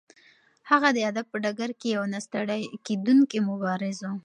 هغه د ادب په ډګر کې یو نه ستړی کېدونکی مبارز و.